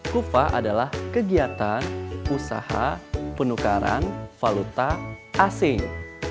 kupa adalah kegiatan usaha penukaran valuta asing